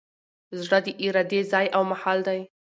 زړه د ارادې ځای او محل دﺉ.